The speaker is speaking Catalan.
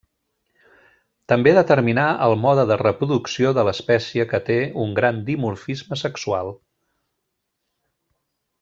També determinà el mode de reproducció de l'espècie que té un gran dimorfisme sexual.